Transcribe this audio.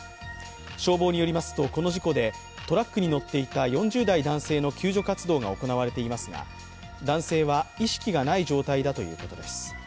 消防によりますと、この事故でトラックに乗っていた４０代男性の救助活動が行われていますが男性は意識がない状態だということです。